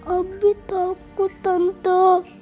abi takut tante